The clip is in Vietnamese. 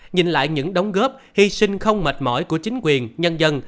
nhìn lại những đóng góp hy sinh không mệt mỏi của chính quyền nhân dân